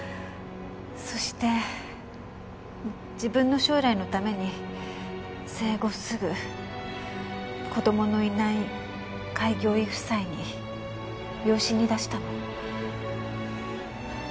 そして自分の将来のために生後すぐ子供のいない開業医夫妻に養子に出したの。